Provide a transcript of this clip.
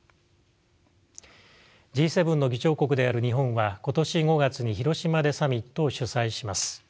Ｇ７の議長国である日本は今年５月に広島でサミットを主催します。